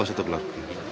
oh satu keluarga